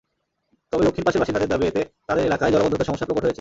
তবে দক্ষিণ পাশের বাসিন্দাদের দাবি, এতে তাঁদের এলাকায় জলাবদ্ধতার সমস্যা প্রকট হয়েছে।